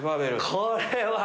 これは。